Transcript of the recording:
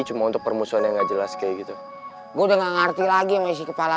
cuma untuk permusuhannya nggak jelas kayak gitu gue udah nggak ngerti lagi masih kepala